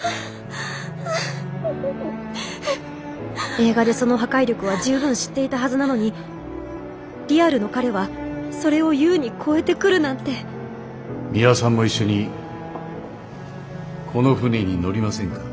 映画でその破壊力は十分知っていたはずなのにリアルの彼はそれを優に超えてくるなんてミワさんも一緒にこの船に乗りませんか？